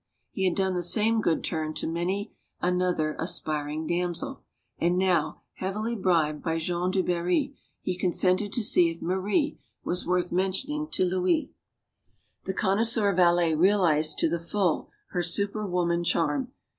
He had done the same good turn to many another aspiring damsel. And now, heavily bribed by Jean du Barry, he consented t< see if Marie was worth mentioning to Louis. At sight of Marie, the connoisseur valet realized to t.ie full her super woman charm.